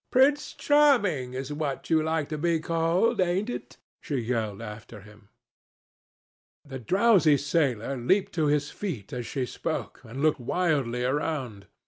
"Prince Charming is what you like to be called, ain't it?" she yelled after him. The drowsy sailor leaped to his feet as she spoke, and looked wildly round.